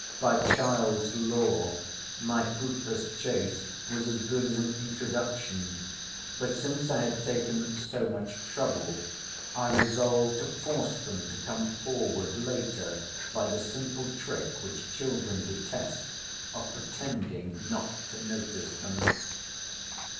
By child's law, my fruitless chase was as good as an introduction, but since I had taken so much trouble I resolved to force them to come forward later by the simple trick, which children detest, of pretending not to notice them.